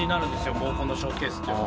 モーコンのショーケースっていうのは。